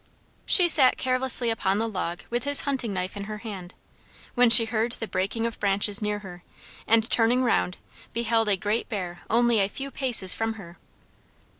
She sat carelessly upon the log with his hunting knife in her hand, when she heard the breaking of branches near her, and turning round, beheld a great bear only a few paces from her.